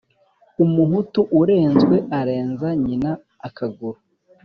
Umuhutu urenzwe arenza nyina akaguru.